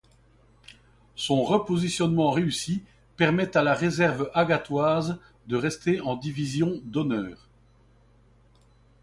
Son repositionnement réussi permet à la réserve agathoise de rester en division d'honneur.